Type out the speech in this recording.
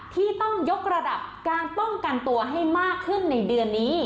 ที่ต้องยกระดับการป้องกันตัวให้มากขึ้นในเดือนนี้